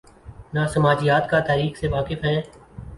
نہ سماجیات کا" تاریخ سے واقف ہیں۔